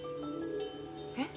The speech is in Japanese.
えっ？